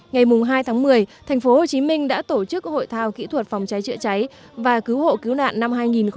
ngày hai tháng một mươi tp hcm đã tổ chức hội thao kỹ thuật phòng cháy chữa cháy và cứu hộ cứu nạn năm hai nghìn một mươi chín